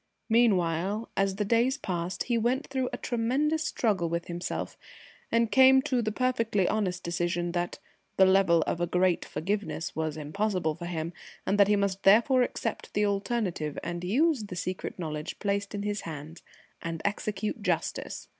Meanwhile, as the days passed, he went through a tremendous struggle with himself, and came to the perfectly honest decision that the "level of a great forgiveness" was impossible for him, and that he must therefore accept the alternative and use the secret knowledge placed in his hands and execute justice.